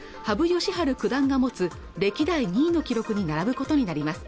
善治九段が持つ歴代２位の記録に並ぶことになります